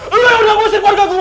lu yang udah usir keluarga gua